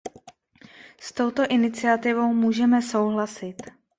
S touto iniciativou můžeme souhlasit.